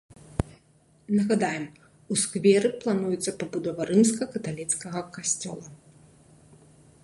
Нагадаем, у скверы плануецца пабудова рымска-каталіцкага касцёла.